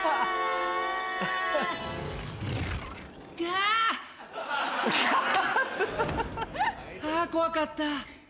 あ怖かった。